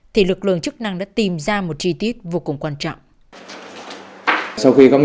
thì lực lượng chức năng của công an tp đà nẵng